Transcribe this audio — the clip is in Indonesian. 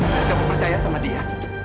tapi kamu percaya sama dia